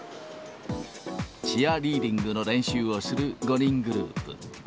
チアリーディングの練習をする５人グループ。